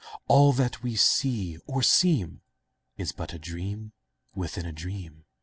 All that we see or seem Is but a dream within a dream.